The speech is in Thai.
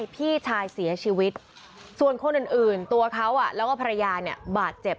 พี่ชายเสียชีวิตส่วนคนอื่นตัวเขาแล้วก็ภรรยาเนี่ยบาดเจ็บ